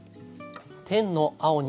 「天の青に」